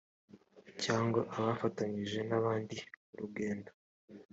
cyangwa afatanyije n abandi urugendo